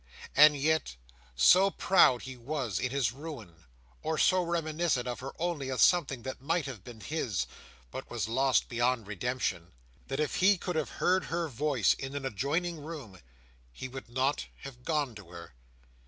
And yet—so proud he was in his ruin, or so reminiscent of her only as something that might have been his, but was lost beyond redemption—that if he could have heard her voice in an adjoining room, he would not have gone to her.